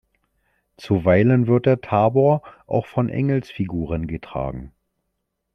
Zuweilen wird der Tabor auch von Engelsfiguren getragen.